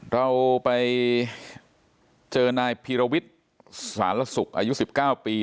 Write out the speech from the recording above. เราไปเจอนายพีรวิทย์สารสุขอายุ๑๙ปี